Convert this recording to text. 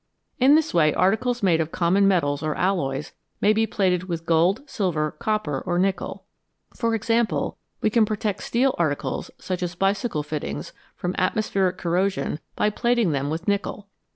In this way articles made of common metals or alloys may be plated with gold, silver, copper, or nickel. For example, we can protect steel articles, such as bicycle fittings, from atmospheric corrosion by plating them with nickel.